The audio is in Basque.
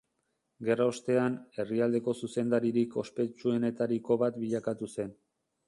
Gerra ostean, herrialdeko zuzendaririk ospetsuenetariko bat bilakatu zen.